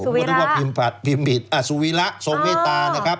สุวิระผมก็เรียกว่าพิมพัฒน์สุวิระทรงเมตตานะครับ